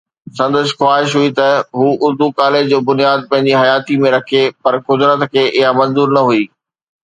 سندس خواهش هئي ته هو اردو ڪاليج جو بنياد پنهنجي حياتيءَ ۾ رکي، پر قدرت کي اها منظور نه هئي